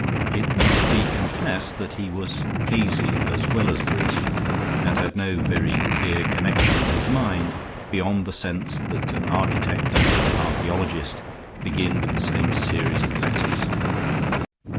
It must be confessed that he was hazy as well as breezy, and had no very clear connection in his mind, beyond the sense that an architect and an archaeologist begin with the same series of letters.